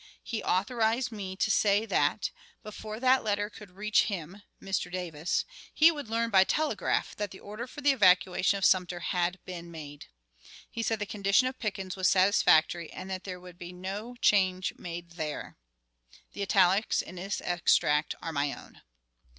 He authorized me to say that, before that letter could reach him [Mr. Davis], he would learn by telegraph that the order for the evacuation of Sumter had been made. He said the condition of Pickens was satisfactory, and there would be no change made there." The italics in this extract are my own.